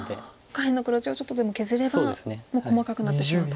下辺の黒地をちょっとでも削ればもう細かくなってくると。